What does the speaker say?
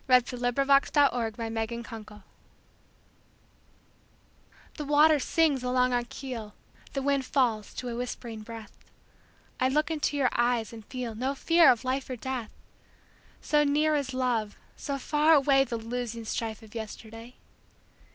1900. By SophieJewett 1502 Armistice THE WATER sings along our keel, The wind falls to a whispering breath;I look into your eyes and feelNo fear of life or death; So near is love, so far awayThe losing strife of yesterday.